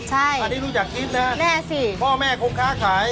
ใช่แน่สิพ่อแม่คงค้าขาย